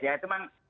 ya itu memang